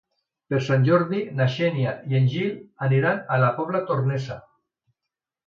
Per Sant Jordi na Xènia i en Gil aniran a la Pobla Tornesa.